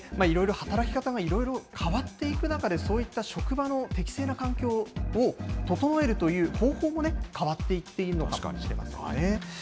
いろいろ働き方がいろいろ変わっていく中で、そういった職場の適正な環境を整えるという方法もね、変わっていっているのかもしれませんね。